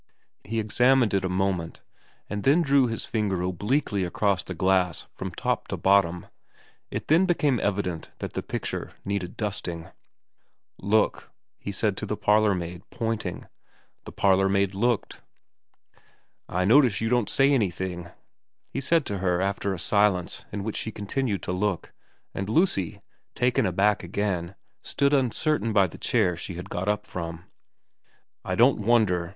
He examined it a moment, and then drew his finger obliquely across the glass from top to bottom. It then became evident that the picture needed dusting. ' Look,' he said to the parlourmaid, pointing. The parlourmaid looked. ' I notice you don't say anything,' he said to her after a silence in which she continued to look, and Lucy, taken aback again, stood uncertain by the chair she had got up from. ' I don't wonder.